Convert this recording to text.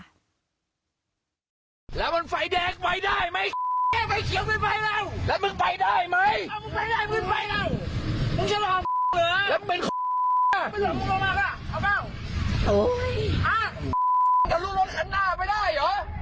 รถข้างหน้าไปได้เหรอแล้วมึงไปได้มั้ย